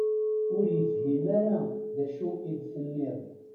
Ur yefhim ara d acu i d-tenniḍ.